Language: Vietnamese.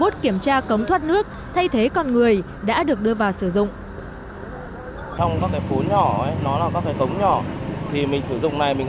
cô bốt kiểm tra cống thoát nước thay thế con người đã được đưa vào sử dụng